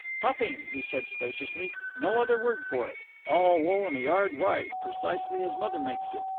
"Topping!" he said spaciously. "No other word for it. All wool and a yard wide. Precisely as mother makes it.